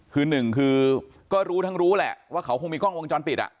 คือหนึ่งคือก็รู้ทั้งรู้แหละว่าเขาคงมีกล้องวงจรปิดอ่ะ